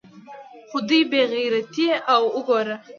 خو د دوى بې غيرتي اوګوره.